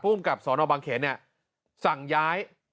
ผู้อุ้มกับสนบางเขียนเนี่ยสั่งย้าย